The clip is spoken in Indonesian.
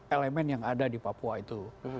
elemen yang ada di papua itu